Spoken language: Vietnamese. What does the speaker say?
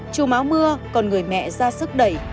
chù máu mưa còn người mẹ ra sức đẩy